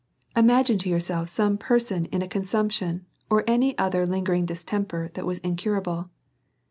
Imagine to yourself some person in a consumption, or any other lingering distemper that is incurable.